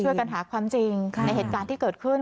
ช่วยกันหาความจริงในเหตุการณ์ที่เกิดขึ้น